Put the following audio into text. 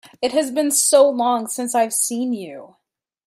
It has been so long since I have seen you!